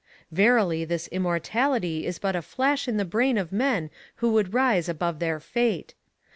Verily, this immortality is but a flash in the brain of men that would rise above their fate.